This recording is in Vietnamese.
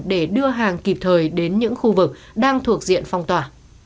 để đưa hàng kịp thời đến những khu vực đang thuộc diện phong tỏa